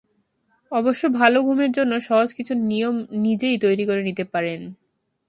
অবশ্য ভালো ঘুমের জন্য সহজ কিছু নিয়ম নিজেই তৈরি করে নিতে পারেন।